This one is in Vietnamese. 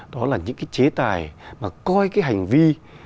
đó là những cái chế tài mà coi cái hành vi